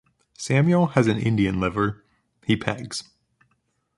Samuel has an Indian liver. He pegs.